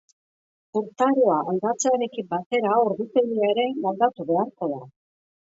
Urtaroa aldatzearekin batera ordutegia ere moldatu beharko da.